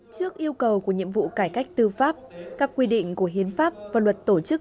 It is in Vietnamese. trước yêu cầu của nhiệm vụ cải cách tư pháp các quy định của hiến pháp và luật tổ chức